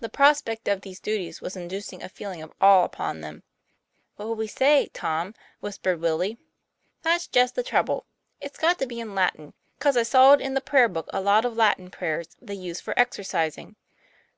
The prospect of these duties was inducing a feeling of awe upon all. "What will we say, Tom?" whispered Willie. " That's just the trouble; it's got to be in Latin, 'cause I saw in the prayer book a lot of Latin prayers they use for exercising."